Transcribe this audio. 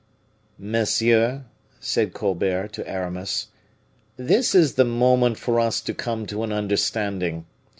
"Monsieur," said Colbert to Aramis, "this is the moment for us to come to an understanding.